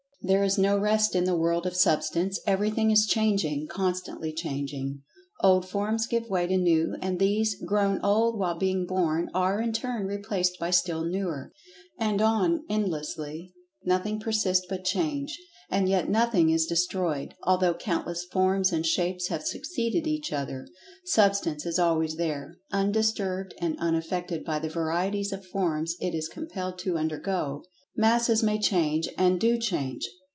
There is no rest in the world of Substance. Everything is changing—constantly changing. Old forms give way to new, and these, grown old while being born, are, in turn replaced by still newer. And on, endlessly. Nothing per[Pg 87]sists but change. And yet nothing is destroyed, although countless forms and shapes have succeeded each other. Substance is always there, undisturbed and unaffected by the varieties of forms it is compelled to undergo. Masses may change—and do change.